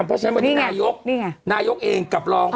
เพราะฉะนั้นวันนี้นายกนายกเองกับรอง